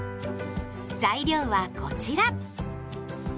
材料はこちら。